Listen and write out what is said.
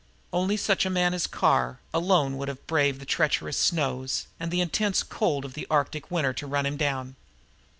Only such a man as Carr, alone would have braved the treacherous snows and the intense cold of the Arctic winter to run him down.